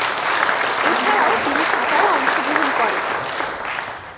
এছাড়াও তিনি সাঁতারে অংশগ্রহণ করেন।